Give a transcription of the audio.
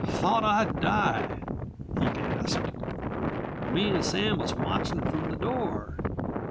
"Thought I'd die," he gasped. "Me and Sam was watching from the door.